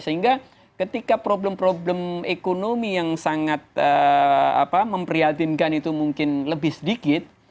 sehingga ketika problem problem ekonomi yang sangat memprihatinkan itu mungkin lebih sedikit